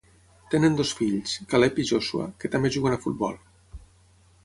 Tenen dos fills, Caleb y Joshua, que també juguen a futbol.